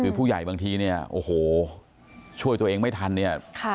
คือผู้ใหญ่บางทีเนี่ยโอ้โหช่วยตัวเองไม่ทันเนี่ย